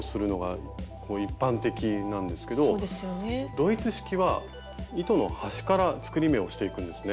ドイツ式は糸の端から作り目をしていくんですね。